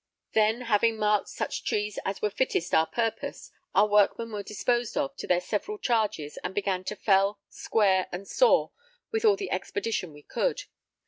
Then, having marked such trees as were fittest our purpose, our workmen were disposed of to their several charges, and began to fell, square, and saw with all the expedition we could.